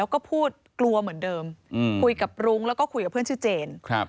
ก็อยู่ในเรือนจำเหมือนกัน